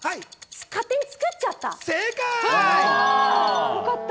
勝手に作っちゃった。